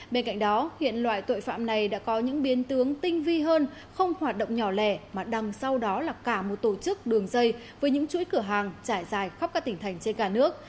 bên cạnh đó hiện loại tội phạm này đã có những biến tướng tinh vi hơn không hoạt động nhỏ lẻ mà đằng sau đó là cả một tổ chức đường dây với những chuỗi cửa hàng trải dài khắp các tỉnh thành trên cả nước